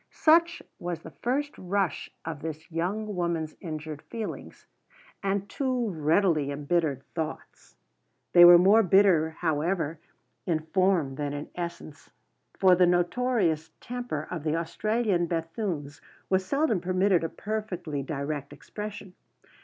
Such was the first rush of this young lady's injured feelings and too readily embittered thoughts. They were more bitter, however, in form than in essence, for the notorious temper of the Australian Bethunes was seldom permitted a perfectly direct expression.